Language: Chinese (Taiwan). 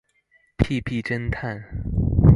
屁屁偵探